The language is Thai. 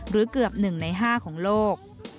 หรือเกือบ๑ใน๕ของโลก